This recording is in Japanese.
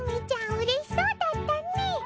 うれしそうだったね！